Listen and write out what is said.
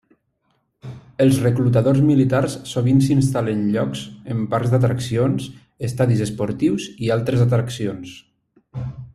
Els reclutadors militars sovint s'instal·len llocs en parcs d'atraccions, estadis esportius i altres atraccions.